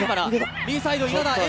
右サイド、稲田。